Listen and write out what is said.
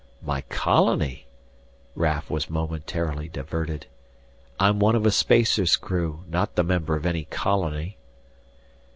"My colony?" Raf was momentarily diverted. "I'm one of a spacer's crew, not the member of any colony!"